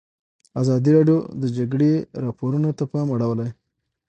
ازادي راډیو د د جګړې راپورونه ته پام اړولی.